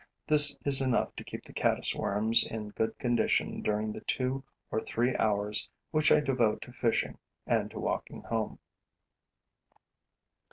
This is enough to keep the caddis worms in good condition during the two or three hours which I devote to fishing and to walking home.